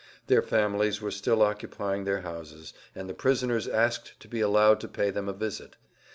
Their families were still occupying their houses, and the prisoners asked to be allowed to pay them a visit.